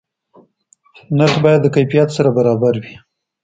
نرخ باید د کیفیت سره برابر وي.